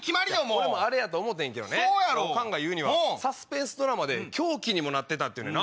俺もあれやと思うてんけどねオカンが言うにはサスペンスドラマで凶器にもなってたって言うねんな。